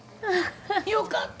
よかった！